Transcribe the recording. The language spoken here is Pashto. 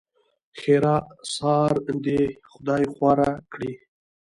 ښېرا؛ سار دې خدای خواره کړي!